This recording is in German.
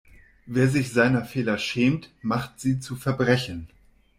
Wer sich seiner Fehler schämt, macht sie zu Verbrechen.